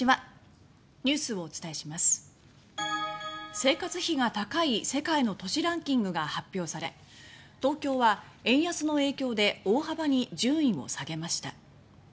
生活費が高い世界の都市ランキングが発表され東京は円安の影響で大幅に順位を下げました。